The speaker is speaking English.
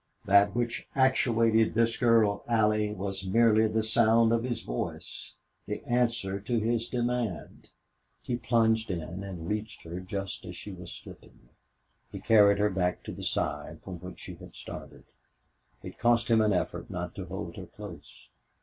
That which actuated this girl Allie was merely the sound of his voice the answer to his demand. He plunged in and reached her just as she was slipping. He carried her back to the side from which she had started. It cost him an effort not to hold her close.